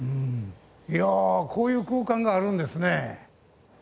いやこういう空間があるんですね。